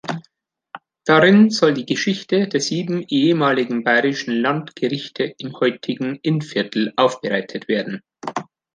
Darin soll die Geschichte der sieben ehemaligen bayerischen Landgerichte im heutigen Innviertel aufbereitet werden.